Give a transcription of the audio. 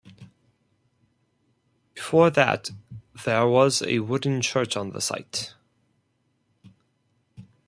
Before that there was a wooden church on the site.